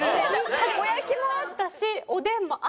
たこ焼きもあったしおでんもあったし。